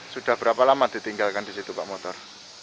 sudah berapa lama ditinggalkan di situ pak motor